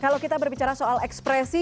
kalau kita berbicara soal ekspresi